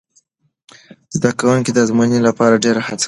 زده کوونکي د ازموینې لپاره ډېره هڅه کوي.